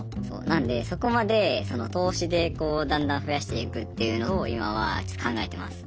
なのでそこまで投資でこうだんだん増やしていくっていうのを今はちょっと考えてます。